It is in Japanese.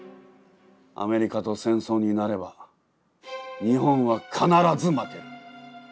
アメリカと戦争になれば日本は必ず負ける。